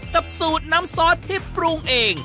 กับสูตรน้ำซอสที่ปรุงเอง